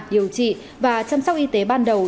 điều trị và chăm sóc y tế ban đầu